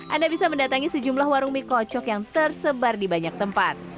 anda bisa mendatangi sejumlah warung mie kocok yang tersebar di banyak tempat